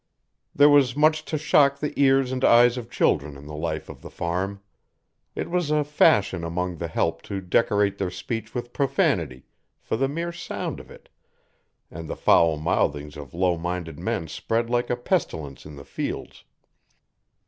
There was much to shock the ears and eyes of children in the life of the farm. It was a fashion among the help to decorate their speech with profanity for the mere sound of it' and the foul mouthings of low minded men spread like a pestilence in the fields.